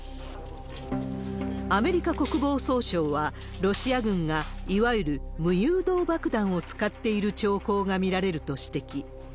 アメリカ国防総省は、ロシア軍がいわゆる無誘導爆弾を使っている兆候が見られると指摘。